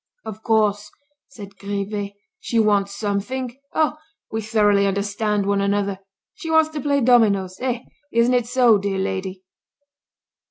"Of course," said Grivet, "she wants something. Oh! We thoroughly understand one another. She wants to play dominoes. Eh! Isn't it so, dear lady?"